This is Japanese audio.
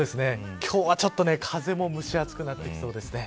今日は、ちょっと風も蒸し暑くなってきそうですね。